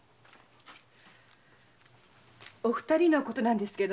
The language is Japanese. お二人のことなんですけど。